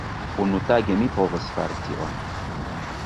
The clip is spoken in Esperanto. Unutage mi povos fari tion.